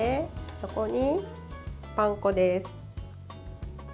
そこにパン粉です。